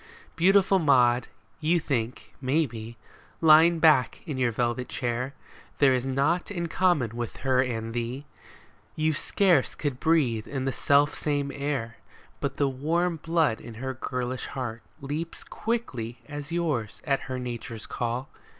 Beautiful Maud, you think, maybe, Lying back in your velvet chair, There is naught in common with her and thee, — You scarce could breathe in the self same air. But the warm blood in her girlish heart Leaps quick as yours at her nature's call.